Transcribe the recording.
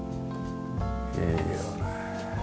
いいよね。